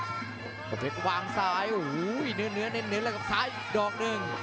เกาะเพชรวางซ้ายโอ้โหเนื้อเน็นแล้วกับซ้ายดอกนึง